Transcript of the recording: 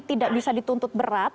tidak bisa dituntut berat